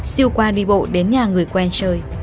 siêu khoa đi bộ đến nhà người quen chơi